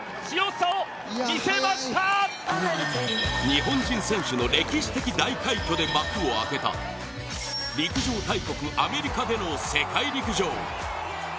日本人選手の歴史的大快挙で幕を開けた陸上大国・アメリカでの世界陸上。